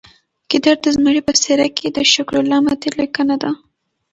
ګیدړ د زمري په څیره کې د شکرالله مطمین لیکنه ده